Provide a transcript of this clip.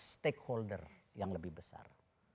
stakeholder yang lebih besar